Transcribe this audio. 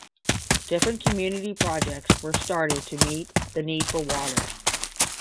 Different community projects were started to meet the need for water.